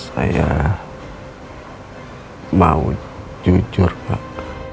saya mau jujur pak